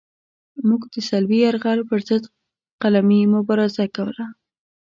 موږ د صلیبي یرغل پرضد قلمي مبارزه کوله.